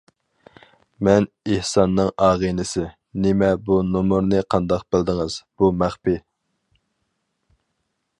مەن ئېھساننىڭ ئاغىنىسى.- نېمە؟ بۇ نومۇرنى قانداق بىلدىڭىز؟- بۇ مەخپىي!